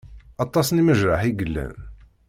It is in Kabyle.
Aṭas n imejraḥ i yellan.